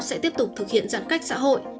sẽ tiếp tục thực hiện giãn cách xã hội